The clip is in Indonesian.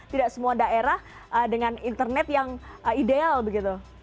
tidak semua daerah dengan internet yang ideal begitu